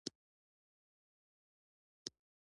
په همکارۍ ترسره شوې